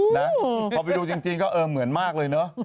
นะพอไปดูจริงก็เออเหมือนมากเลยเนอะ